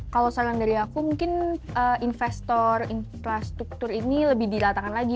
kalau saran dari aku mungkin investor infrastruktur ini lebih dilatakan lagi